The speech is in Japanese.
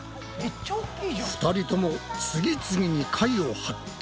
２人とも次々に貝を発見！